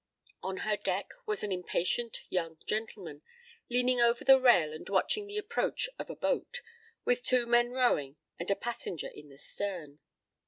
On her deck was an impatient young gentleman, leaning over the rail and watching the approach of a boat, with two men rowing and a passenger in the stern.